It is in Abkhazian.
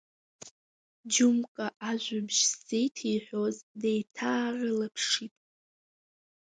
Џьумка ажәабжь ззеиҭеиҳәоз деиҭаарылаԥшит.